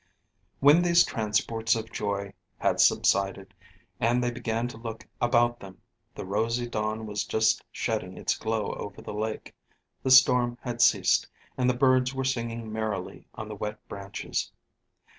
When these transports of joy had subsided, and they began to look about them, the rosy dawn was just shedding its glow over the lake, the storm had ceased, and the birds were singing merrily on the wet branches.